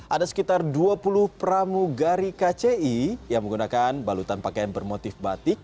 ada sekitar dua puluh pramugari kci yang menggunakan balutan pakaian bermotif batik